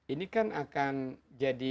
ini kan akan jadi